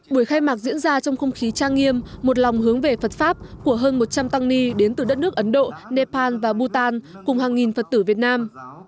buổi khai mạc diễn ra trong không khí trang nghiêm một lòng hướng về phật pháp của hơn một trăm linh tăng ni đến từ đất nước ấn độ nepal và bhutan cùng hàng nghìn phật tử việt nam